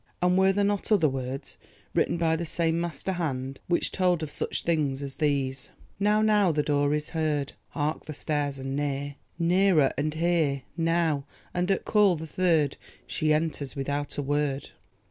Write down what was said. And were there not other words, written by the same master hand, which told of such things as these: "'Now—now,' the door is heard; Hark, the stairs! and near— Nearer—and here— 'Now'! and at call the third, She enters without a word.